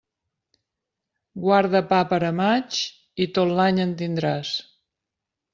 Guarda pa per a maig i tot l'any en tindràs.